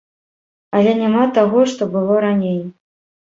Але няма таго, што было раней.